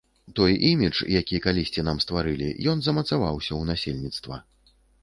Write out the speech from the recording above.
Той імідж, які калісьці нам стварылі, ён замацаваўся ў насельніцтва.